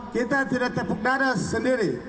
kita tidak tepuk darah sendiri